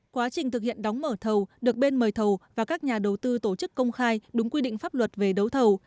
quá trình thực hiện đóng mở thầu được bên mời thầu và các nhà đầu tư tổ chức công khai đúng quy định pháp luật về đấu thầu